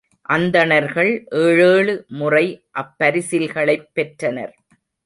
அந்தணர்கள் ஏழேழு முறை அப்பரிசில்களைப் பெற்றனர்.